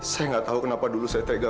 saya gak tau kenapa dulu saya tega